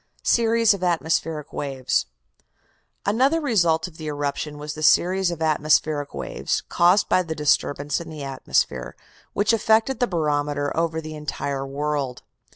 SERIES OF ATMOSPHERIC WAVES Another result of the eruption was the series of atmospheric waves, caused by the disturbance in the atmosphere, which affected the barometer over the entire world.